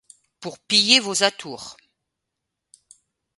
Pour piller vos atours